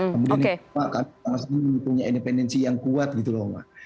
kemudian kita punya independensi yang kuat gitu loh